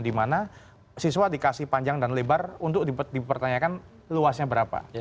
dimana siswa dikasih panjang dan lebar untuk dipertanyakan luasnya berapa